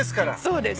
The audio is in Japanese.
そうです。